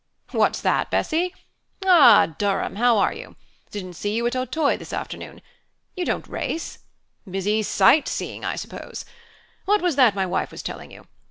"What's that, Bessy? Hah, Durham, how are you? Didn't see you at Auteuil this afternoon. You don't race? Busy sight seeing, I suppose? What was that my wife was telling you?